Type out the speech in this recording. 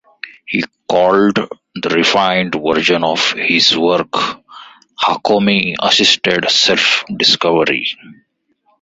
He called the refined version of his work Hakomi Assisted Self-Discovery.